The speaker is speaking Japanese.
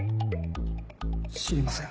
知りません。